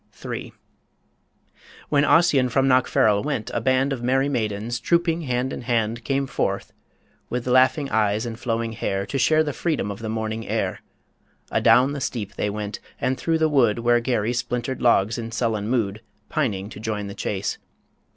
... III. When Ossian from Knockfarrel went, a band Of merry maidens, trooping hand in hand, Came forth, with laughing eyes and flowing hair, To share the freedom of the morning air; Adown the steep they went, and through the wood Where Garry splintered logs in sullen mood Pining to join the chase!